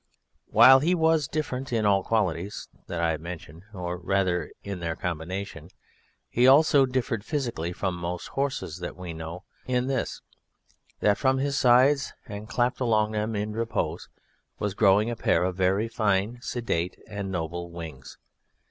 While he was different in all qualities that I have mentioned or rather in their combination he also differed physically from most horses that we know, in this, that from his sides and clapt along them in repose was growing a pair of very fine sedate and noble wings.